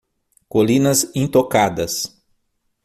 Colinas intocadas